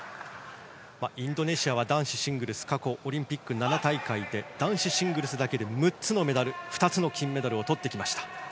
インドネシアは男子シングルス過去、オリンピック７大会で男子シングルスだけで６つのメダル、２つの金メダルをとってきました。